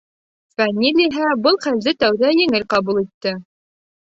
Фәнил иһә был хәлде тәүҙә еңел ҡабул итте.